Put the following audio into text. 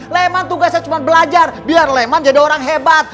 leman tugasnya cuma belajar biar leman jadi orang hebat